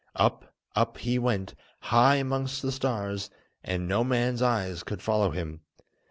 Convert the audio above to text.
Up, up, he went, high amongst the stars, and no man's eyes could follow him.